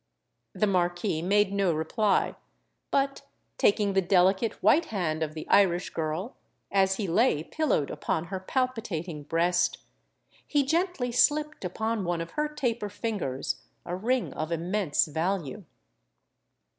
The Marquis made no reply; but taking the delicate white hand of the Irish girl, as he lay pillowed upon her palpitating breast, he gently slipped upon one of her taper fingers a ring of immense value.